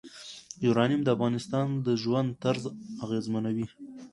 یورانیم د افغانانو د ژوند طرز اغېزمنوي.